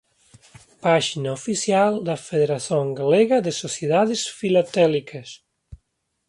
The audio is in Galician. Páxina oficial da Federación Galega de Sociedades Filatélicas